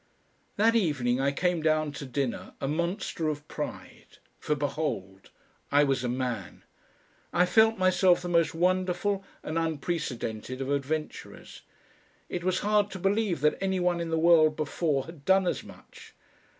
That evening I came down to dinner a monster of pride, for behold! I was a man. I felt myself the most wonderful and unprecedented of adventurers. It was hard to believe that any one in the world before had done as much.